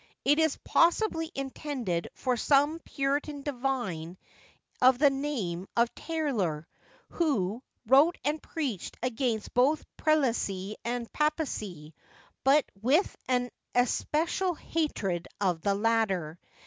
It is possibly intended for some puritan divine of the name of Taylor, who wrote and preached against both prelacy and papacy, but with an especial hatred of the latter.